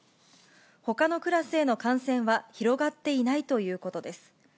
ほかのクラスへの感染は広がっていないということです。